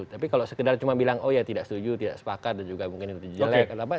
tapi kalau sekedar cuma bilang oh ya tidak setuju tidak sepakat dan juga mungkin itu jelek